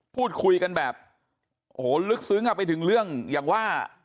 พูดคุยกันแบบโอ้โหลึกซึ้งไปถึงเรื่องอย่างว่า